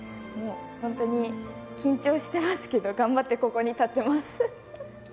本当に緊張していますけど頑張って、ここに立ってます。